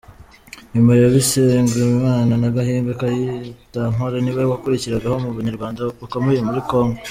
Nyuma ya Bisengimana, na Gahiga, Kayitankore niwe wakurikiragaho mu banyarwanda bakomeye muri Congo.